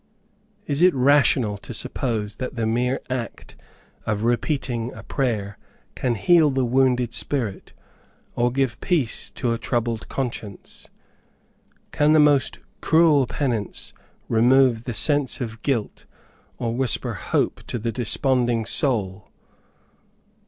Is it rational to suppose that the mere act of repeating a prayer can heal the wounded spirit, or give peace to a troubled conscience? Can the most cruel penance remove the sense of guilt, or whisper hope to the desponding soul?